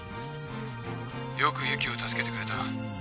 よく由岐を助けてくれた。